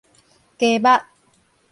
雞目